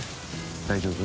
大丈夫？